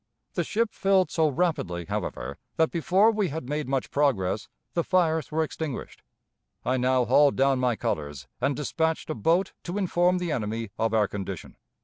The ship filled so rapidly, however, that, before we had made much progress, the fires were extinguished. I now hauled down my colors, and dispatched a boat to inform the enemy of our condition.